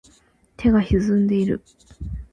手が悴んでいる